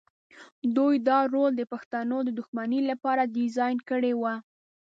دوی دا رول د پښتنو د دښمنۍ لپاره ډیزاین کړی و.